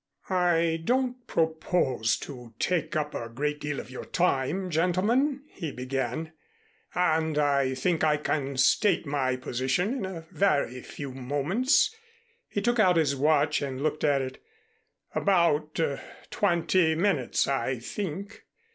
"I don't propose to take up a great deal of your time, gentlemen," he began, "and I think I can state my position in a very few moments." He took out his watch and looked at it. "About twenty minutes, I think.